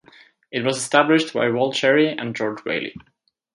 It was established by Wal Cherry and George Whaley.